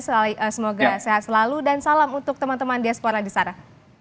semoga sehat selalu dan salam untuk teman teman diaspora di sana